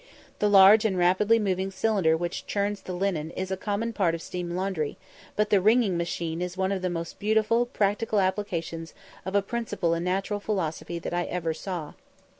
The large and rapidly moving cylinder which churns the linen is a common part of a steam laundry, but the wringing machine is one of the most beautiful practical applications of a principle in natural philosophy that I ever saw.